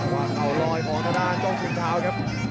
วางเข่าลอยพองทดาจ้องกินท้าวครับ